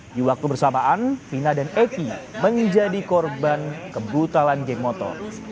di waktu bersamaan vina dan eki menjadi korban kebutalan geng motor